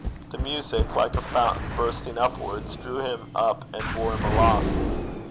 The music, like a fountain bursting upwards, drew him up and bore him aloft.